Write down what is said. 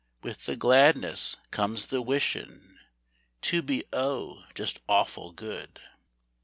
With the gladness comes the wishin' To be, oh, just awful good!